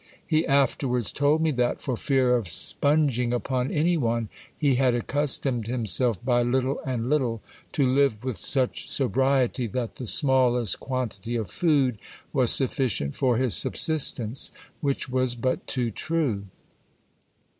He afterwards told me that, for fear of spunging upon any one, he had accustomed himself, by little and little, to live with such sobriety, that the smallest quantity of food was sufficient for his subsistence ; which was but too true.